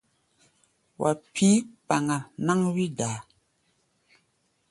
Wa pí̧ kpaŋa náŋ wí-daa.